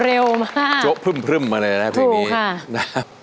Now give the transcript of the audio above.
เร็วมากเจ้าเพึ่มเพื่อมาเลยนะเพียงนี้นะคะ